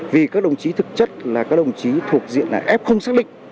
vì các đồng chí thực chất là các đồng chí thuộc diện là f không xác định